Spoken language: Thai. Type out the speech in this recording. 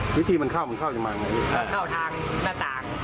วิธีมันเข้ามันเข้าจากไหนมันเข้าทางหน้าต่าง